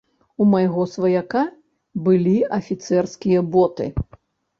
У майго сваяка былі афіцэрскія боты.